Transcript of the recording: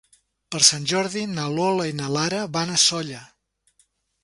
Per Sant Jordi na Lola i na Lara van a Sóller.